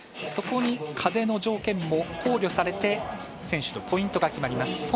そこに風の条件も考慮されて選手とポイントが決まります。